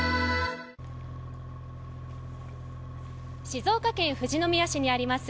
静岡県富士宮市にあります